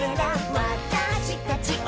「わたしたちを」